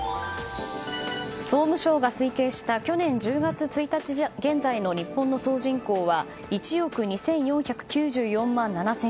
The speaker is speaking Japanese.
総務省が推計した去年１０月１日現在の日本の総人口は１億２４９４万７０００